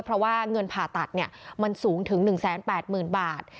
เพราะว่าเงินผ่าตัดมันสูงถึง๑๘๐๐๐บาท